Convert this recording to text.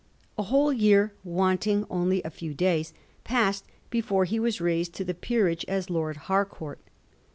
A whole year, wanting only a few days, passed before he was raised to the peerage as Lord Harcourt.